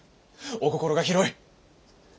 お心が広い！